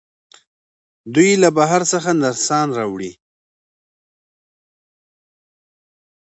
دوی له بهر څخه نرسان راوړي.